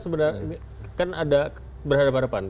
sebenarnya kan ada berhadapan hadapan